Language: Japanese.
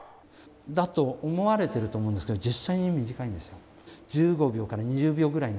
だと思われてると思うんですけど実際には短いんです。